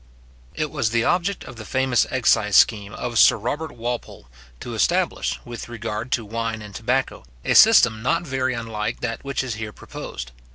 It was the object of the famous excise scheme of Sir Robert Walpole, to establish, with regard to wine and tobacco, a system not very unlike that which is here proposed.